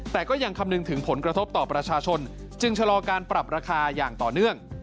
แต่ก็ยังคำนึงถึงผลกระทบต่อประชาชนจึงชะลอการปรับราคาอย่างต่อเนื่อง